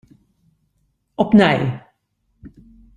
Opnij.